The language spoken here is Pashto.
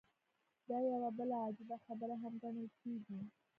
دا يوه بله عجيبه خبره هم ګڼل کېږي.